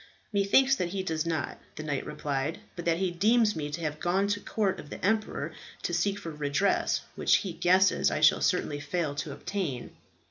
"Methinks that he does not," the knight replied, "but that he deems me to have gone to the court of the emperor to seek for redress which, he guesses, I shall certainly fail to obtain."